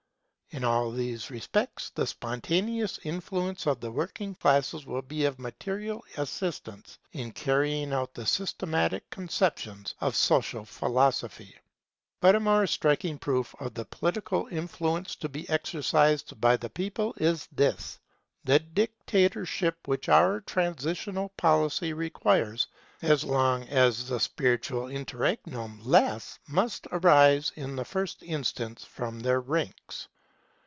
In all these respects the spontaneous influence of the working classes will be of material assistance in carrying out the systematic conceptions of social philosophy. [It is from them that we shall obtain the dictatorial power which is provisionally required] But a more striking proof of the political influence to be exercised by the people is this. The dictatorship which our transitional policy requires as long as the spiritual interregnum lasts must arise in the first instance from their ranks.